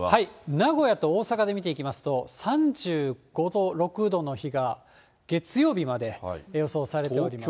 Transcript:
名古屋と大阪で見ていきますと、３５度、６度の日が月曜日まで予想されております。